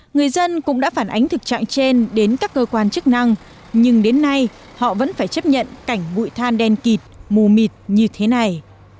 người dân cũng đã phản ánh thực trạng trên đến các cơ quan chức năng nhưng đến nay họ vẫn phải chấp nhận cảnh bụi than đen kịt mù mịt như thế này